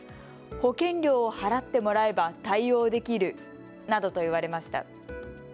保険料を払ってもらえば対応できるなどと言われました。